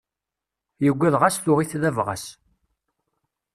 Yugad ɣas tuɣ-t d abɣas.